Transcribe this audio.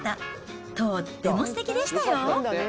とってもすてきでしたよ。